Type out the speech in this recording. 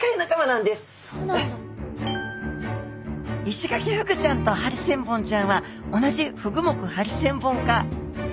イシガキフグちゃんとハリセンボンちゃんは同じフグ目ハリセンボン科。